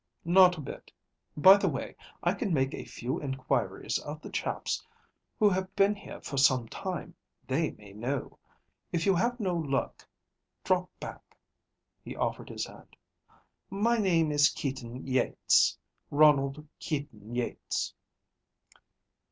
"Not a bit. By the way, I can make a few inquiries of the chaps who have been here for some time. They may know. If you have no luck, drop back." He offered his hand. "My name is Keaton Yeats. Ronald Keaton Yeats."